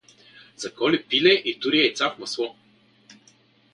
Заколи пиле и тури яйца в масло.